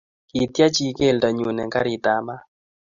Kityech chii keldo nyuu eng karitab maat